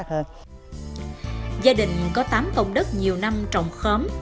có tám vòng đất nhiều năm trồng khóm